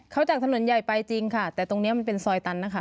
เขาจากถนนใหญ่ไปจริงค่ะแต่ตรงนี้มันเป็นซอยตันนะคะ